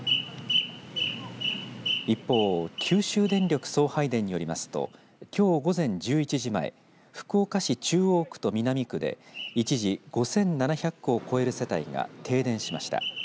一方、九州電力送配電によりますときょう午前１１時前福岡市中央区と南区で一時、５７００戸を超える世帯が停電しました。